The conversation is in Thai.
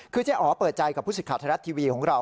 คือเจ๊อ๋อเปิดใจกับผู้สิทธิ์ไทยรัฐทีวีของเรา